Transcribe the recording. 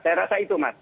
saya rasa itu mas